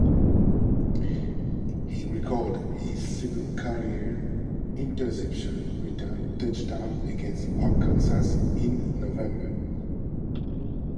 He recorded his second career interception return touchdown against Arkansas in November.